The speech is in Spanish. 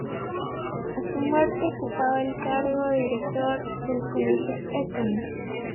A su muerte ocupaba el cargo de director del Colegio de Eton.